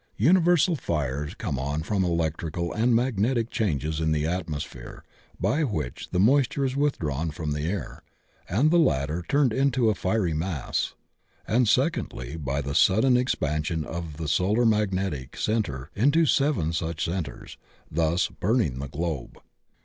Universal fires come on from electrical and magnetic changes in the atmosphere by which the moisture is 124 TH£ OCBAN OP THEOSOPHY withdrawn from the air and the latter turned into a fiery mass; and, secondly, by the sudden expansion of the solar magnetic centre into seven such centres, thus burning the globe.